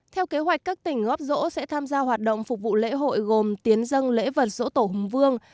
theo kế hoạch các tỉnh góp rỗ sẽ tham gia hoạt động phục vụ lễ hội gồm tiến dân lễ vật rỗ tổ hùng vương